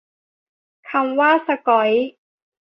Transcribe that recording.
คำว่า "สก๊อย"